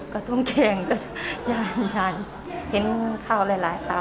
ก็ต้องแจ้งอย่างนั้นใช้ข้าวหลายป่าว